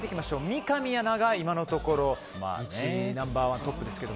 三上アナが今のところナンバー１、トップですが。